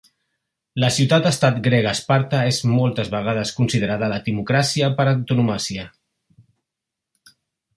La ciutat-estat grega Esparta és moltes vegades considerada la timocràcia per antonomàsia.